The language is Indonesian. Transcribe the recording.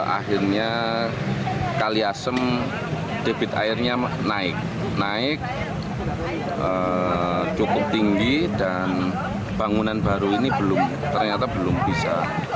akhirnya kaliasem debit airnya naik naik cukup tinggi dan bangunan baru ini ternyata belum bisa